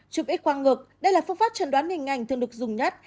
chụp x khoang ngực đây là phương pháp trần đoán hình ảnh thường được dùng nhất